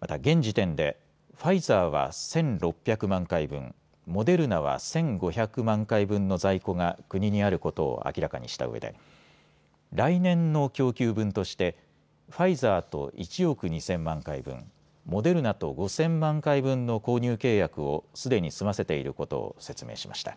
また現時点でファイザーは１６００万回分、モデルナは１５００万回分の在庫が国にあることを明らかにしたうえで来年の供給分としてファイザーと１億２０００万回分、モデルナと５０００万回分の購入契約をすでに済ませていることを説明しました。